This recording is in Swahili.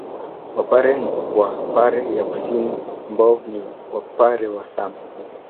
Wapare wa Pare ya Kusini ambao ni Wapare wa Same